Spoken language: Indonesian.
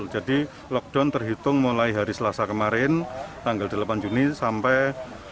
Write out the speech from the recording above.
jadi lockdown terhitung mulai hari selasa kemarin tanggal delapan juni sampai